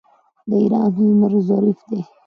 د ایران هنر ظریف دی.